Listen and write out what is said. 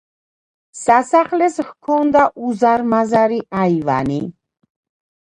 სასახლეს ჰქონდა უზარმაზარი აივანი.